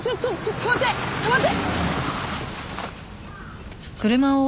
止まって！